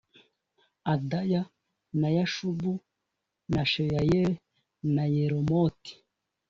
adaya na yashubu na sheyali na yeremoti